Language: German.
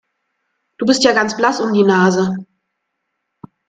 Du bist ja ganz blass um die Nase.